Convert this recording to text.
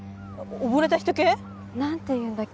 溺れた人系？なんていうんだっけ？